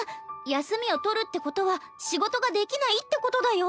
休みを取るってことは仕事ができないってことだよ？